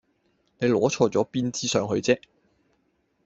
你攞錯咗邊支上去啫